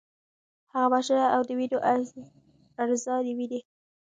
هغه وژنه او د وینو ارزاني ویني.